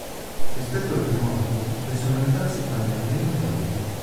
Rispetto al primo album le sonorità si fanno meno melodiche.